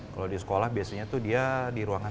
kalau di sekolah biasanya tuh dia di ruangan